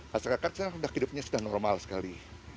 masyarakat sekarang hidupnya sudah normal sekali